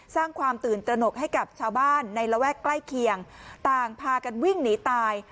สร้างความตื่นตระหนกให้กับชาวบ้านในระแวกใกล้เคียงต่างพากันวิ่งหนีตาย